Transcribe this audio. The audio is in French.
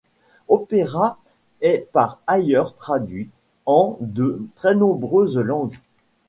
Opera est par ailleurs traduit en de très nombreuses langues.